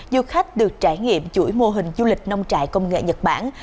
du khách được trải nghiệm chuỗi mô hình du lịch nông trại công nghệ nhật bản